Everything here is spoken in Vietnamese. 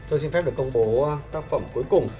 tôi xin phép được công bố tác phẩm cuối cùng